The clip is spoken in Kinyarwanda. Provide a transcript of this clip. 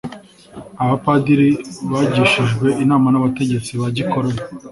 abapadiri bagishijwe inama n'abategetsi ba gikoloni,